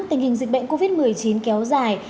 tình hình dịch bệnh covid một mươi chín kéo dài